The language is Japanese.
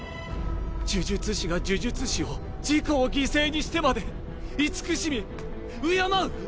呪術師が呪術師を自己を犠牲にしてまで慈しみ敬う！